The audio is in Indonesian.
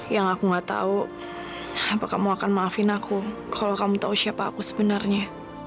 yang aku gak tahu apakah kamu akan maafin aku kalau kamu tahu siapa aku sebenarnya